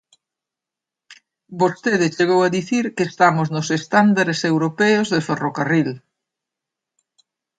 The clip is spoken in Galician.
Vostede chegou a dicir que estamos nos estándares europeos de ferrocarril.